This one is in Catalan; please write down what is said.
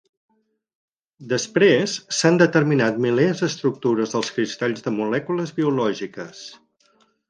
Després s'han determinat milers d'estructures dels cristalls de molècules biològiques.